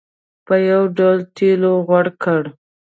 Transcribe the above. په یو ډول تېلو غوړ کړ.